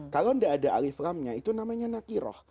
kalau tidak ada alif lamnya itu namanya nakiroh